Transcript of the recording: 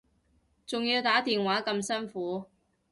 仲要打電話咁辛苦